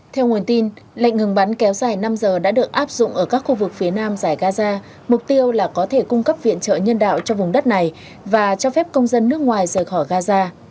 theo nguồn tin lệnh ngừng bắn kéo dài năm giờ đã được áp dụng ở các khu vực phía nam giải gaza mục tiêu là có thể cung cấp viện trợ nhân đạo cho vùng đất này và cho phép công dân nước ngoài rời khỏi gaza